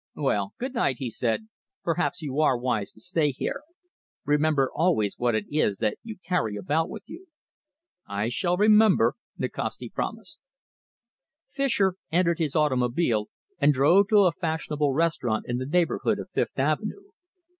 "Well, good night," he said. "Perhaps you are wise to stay here. Remember always what it is that you carry about with you." "I shall remember," Nikasti promised. Fischer entered his automobile and drove to a fashionable restaurant in the neighbourhood of Fifth Avenue.